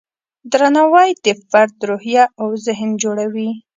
درناوی د فرد روحیه او ذهن جوړوي.